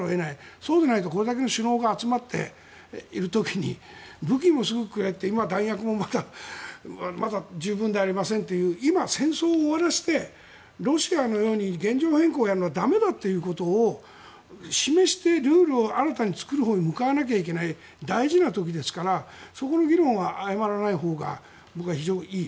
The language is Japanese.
そうでないとこれだけの首脳が集まっている時に武器もすぐくれって今弾薬も十分でありませんという今、戦争を終わらせてロシアのように現状変更をするのが駄目だということを示してルールを新たに作るほうに向かわなきゃいけない大事な時ですからそこの議論は誤らないほうが僕は非常にいい。